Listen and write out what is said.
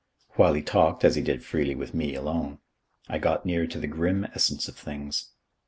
While he talked, as he did freely with me alone, I got near to the grim essence of things.